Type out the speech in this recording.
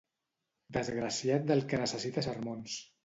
Desgraciat del que necessita sermons.